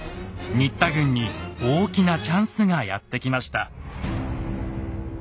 新田軍に大きなチャンスがやって来ました。